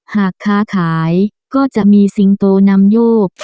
หากค้าขายก็จะมีสิงโตนำโยก